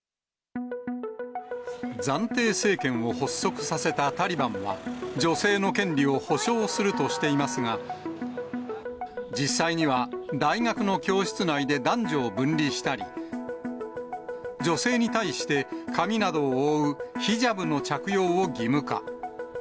暫定政権を発足させたタリバンは、女性の権利を保障するとしていますが、実際には、大学の教室内で男女を分離したり、女性に対して、髪などを覆うヒジャブの着用を義務化。